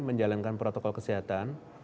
menjalankan protokol kesehatan